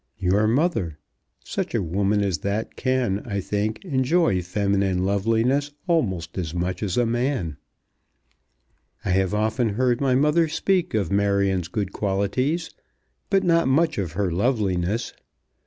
"Your mother. Such a woman as that can, I think, enjoy feminine loveliness almost as much as a man." "I have often heard my mother speak of Marion's good qualities, but not much of her loveliness.